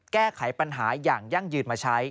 แก้ไขปัญหาอย่างยั่งยืนมาใช้